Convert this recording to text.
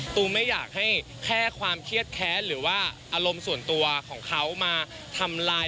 ตูมไม่อยากให้แค่ความเครียดแค้นหรือว่าอารมณ์ส่วนตัวของเขามาทำลาย